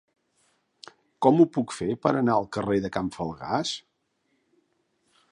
Com ho puc fer per anar al carrer de Can Falgàs?